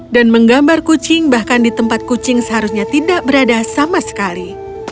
dan menggambar kucing bahkan di tempat kucing seharusnya tidak berada sama sekali